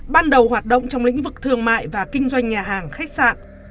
ban đầu hoạt động trong lĩnh vực thương mại và kinh doanh nhà hàng khách sạn